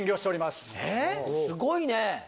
すごいね。